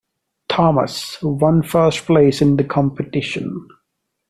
Thomas one first place in the competition.